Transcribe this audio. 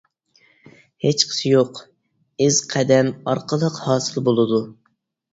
ھېچقىسى يوق، ئىز قەدەم ئارقىلىق ھاسىل بولىدۇ.